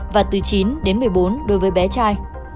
và từ chín đến một mươi bốn đối với bé trai